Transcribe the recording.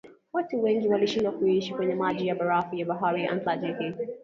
watu wengi walishindwa kuishi kwenye maji ya barafu ya bahari ya atlantiki